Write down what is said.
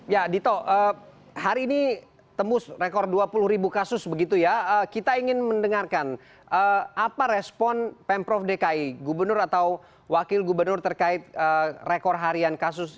ya dito hari ini tembus rekor dua puluh ribu kasus begitu ya kita ingin mendengarkan apa respon pemprov dki gubernur atau wakil gubernur terkait rekor harian kasus